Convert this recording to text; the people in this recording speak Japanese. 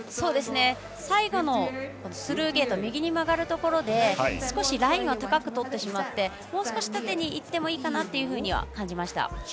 最後のスルーゲート右に曲がるところで少しラインを高くとってしまってもう少し縦にいってもいいかなと感じました。